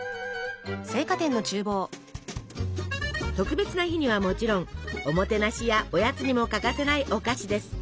特別な日にはもちろんおもてなしやおやつにも欠かせないお菓子です。